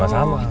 gak jauh kok